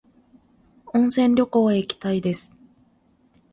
温泉旅行へ行きたいです。